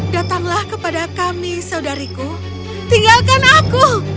datanglah kepada kami saudariku tinggalkan aku